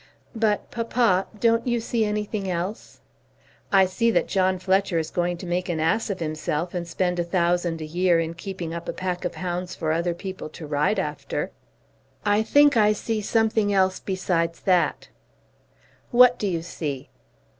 "But, papa, don't you see anything else?" "I see that John Fletcher is going to make an ass of himself and spend a thousand a year in keeping up a pack of hounds for other people to ride after." "I think I see something else besides that." "What do you see?"